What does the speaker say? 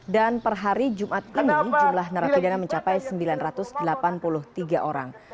dan per hari jumat ini jumlah menerapi dana mencapai sembilan ratus delapan puluh tiga orang